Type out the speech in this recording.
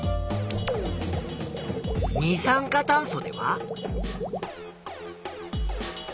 二酸化炭素では。